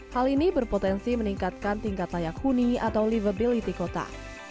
hal ini berpotensi meningkatkan tingkat layak huni atau livability kota